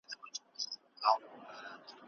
که په تعلیم کي کیفیت وي نو ټولنه مخ ته ځي.